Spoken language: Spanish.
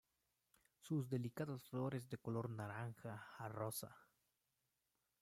Sus delicadas flores de color naranja a rosa.